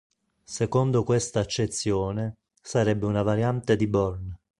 Secondo questa accezione, sarebbe una variante di "Bourne".